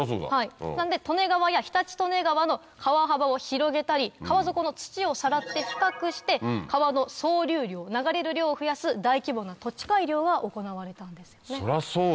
なので利根川や常陸利根川の川幅を広げたり川底の土をさらって深くして川の総流量流れる量を増やす大規模な土地改良が行われたんですよね。